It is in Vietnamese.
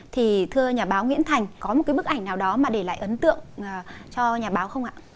thưa nhà báo nguyễn thành có một bức ảnh nào đó để lại ấn tượng cho nhà báo không ạ